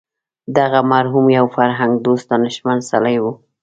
دغه مرحوم یو فرهنګ دوست دانشمند سړی و.